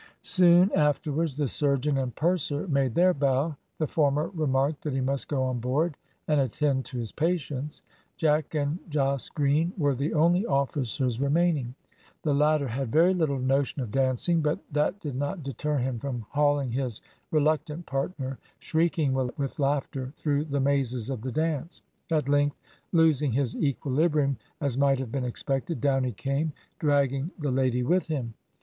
Soon afterwards the surgeon and purser made their bow: the former remarked that he must go on board and attend to his patients. Jack and Jos Green were the only officers remaining. The latter had very little notion of dancing, but that did not deter him from hauling his reluctant partner, shrieking with laughter, through the mazes of the dance; at length, losing his equilibrium, as might have been expected, down he came, dragging the lady with him.